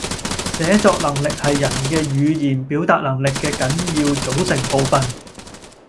寫作能力係人嘅語言表達能力嘅緊要組成部分